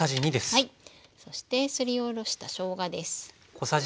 そしてすりおろしたしょうがです。